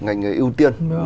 ngành người ưu tiên